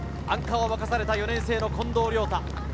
アンカーを任された４年生・近藤亮太。